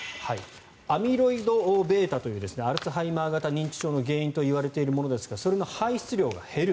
アミロイドβというアルツハイマー型認知症の原因といわれているものですがそれの排出量が減る。